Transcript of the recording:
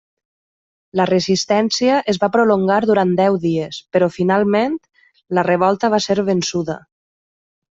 La resistència es va prolongar durant deu dies, però finalment la revolta va ser vençuda.